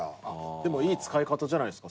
でもいい使い方じゃないっすか。